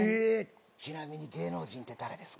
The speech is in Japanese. ちなみに芸能人って誰ですか？